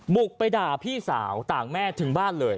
บุกไปด่าพี่สาวต่างแม่ถึงบ้านเลย